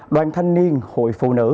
đoàn thanh niên hội phụ nữ